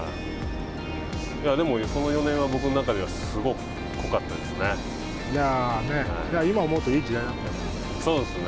でもその４年は、僕の中ではすごく濃かったですね。